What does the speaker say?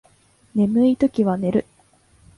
眠いときは寝る